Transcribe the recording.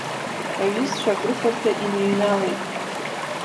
Аҩызцәа акрыфарҭа иныҩналеит.